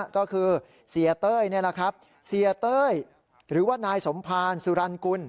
ก็คือเสียเต้ยเสียเต้ยหรือว่านายสมภารสุรรณกุล